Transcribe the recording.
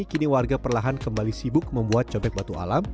kini warga perlahan kembali sibuk membuat cobek batu alam